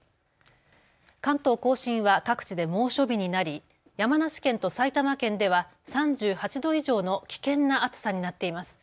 関東甲信は各地で猛暑日になり山梨県と埼玉県では３８度以上の危険な暑さになっています。